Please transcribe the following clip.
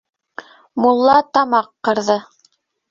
Мулла тамаҡ ҡырҙы: